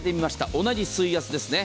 同じ水圧ですね。